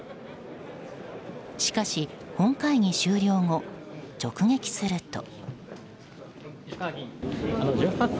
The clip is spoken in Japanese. しかし、本会議終了後直撃すると。